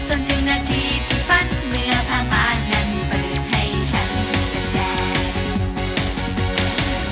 จนถึงนาทีที่ฝันเมื่อพังมานั้นเปลืองให้ฉันแสดง